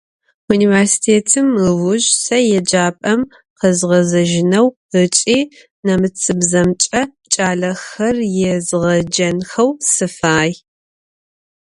Vunivêrsitêtım ıujj se yêcap'em khezğezejıneu ıç'i nemıtsıbzemç'e ç'alexer yêzğecenxeu sıfay.